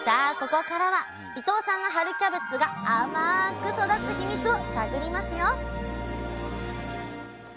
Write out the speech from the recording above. ここからは伊藤さんの春キャベツが甘く育つヒミツを探りますよ！